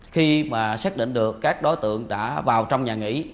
khi mà xác định được các đối tượng đã vào trong nhà nghỉ